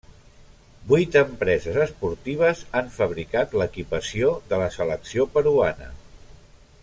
Vuit empreses esportives han fabricat l'equipació de la selecció peruana.